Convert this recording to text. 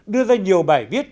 đưa ra nhiều bài viết